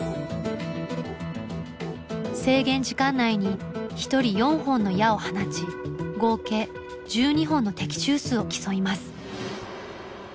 制限時間内に１人４本の矢を放ち合計１２本の的中数を競います。